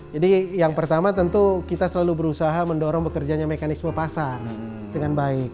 jadi yang pertama tentu kita selalu berusaha mendorong mekanisme pasar dengan baik